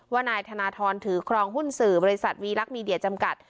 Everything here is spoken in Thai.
นายธนทรถือครองหุ้นสื่อบริษัทวีลักษณ์มีเดียจำกัด